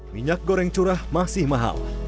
minyak goreng curah masih mahal